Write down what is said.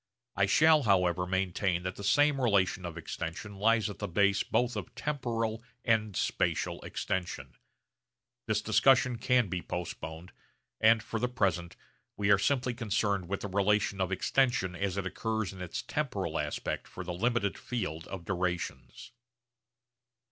I shall however maintain that the same relation of extension lies at the base both of temporal and spatial extension. This discussion can be postponed; and for the present we are simply concerned with the relation of extension as it occurs in its temporal aspect for the limited field of durations.